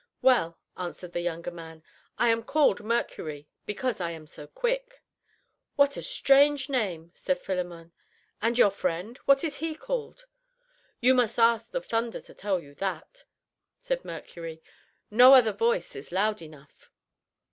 "Well," answered the younger man, "I am called Mercury, because I am so quick." "What a strange name!" said Philemon; "and your friend, what is he called?" "You must ask the thunder to tell you that," said Mercury, "no other voice is loud enough."